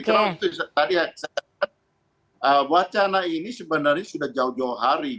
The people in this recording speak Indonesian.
karena waktu tadi saya katakan wacana ini sebenarnya sudah jauh jauh hari